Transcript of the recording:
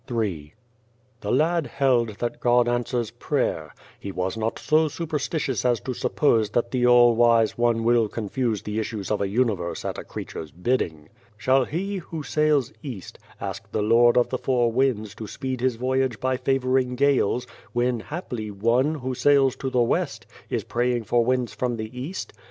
Ill " THE lad held that God answers prayer. He was not so superstitious as to suppose that the All Wise One will confuse the issues of a universe at a creature's bidding. Shall he, who sails east, ask the Lord of the Four Winds to speed his voyage by favouring gales, when haply one, who sails to the west, is praying for winds from the east ?